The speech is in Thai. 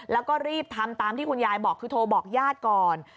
แล้วก็รีบทำตามที่คุณยายบอกคือโทรบอกญาติก่อน